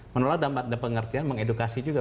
menolak dan pengertian mengedukasi juga